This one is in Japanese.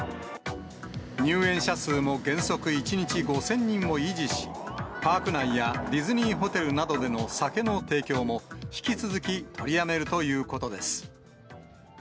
入園者数も原則１日５０００人を維持し、パーク内やディズニーホテルなどでの酒の提供も、引き続き取りやめるということです。